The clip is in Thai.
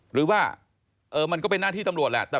หรือว่ามันก็เป็นหน้าที่ตำรวจแหละ